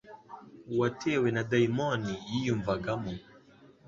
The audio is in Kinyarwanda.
uwatewe na dayimoni yiyumvagamo.